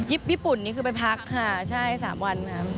ญี่ปุ่นนี่คือไปพักค่ะใช่๓วันค่ะ